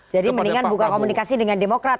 jadi mendingan buka komunikasi dengan demokrat